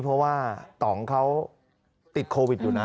เพราะว่าต่องเขาติดโควิดอยู่นะ